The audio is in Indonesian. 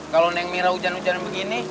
kalau neng merah hujan hujan begini